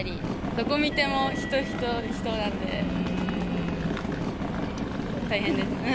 どこ見ても人、人、人なんで、大変です。